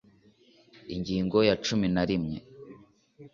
ingingo ya cumi narimwe